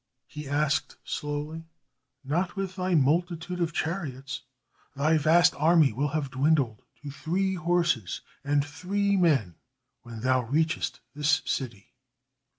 he asked, slowly. "Not with thy multitude of chariots. Thy vast army will have dwindled to three horses and three men when thou reachest this city."